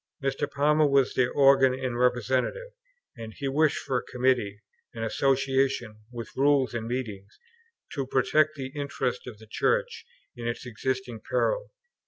Mr. Palmer was their organ and representative; and he wished for a Committee, an Association, with rules and meetings, to protect the interests of the Church in its existing peril.